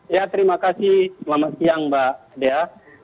ya terima kasih selamat siang mbak dea